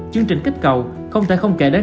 chương trình kích cầu không thể không kể đến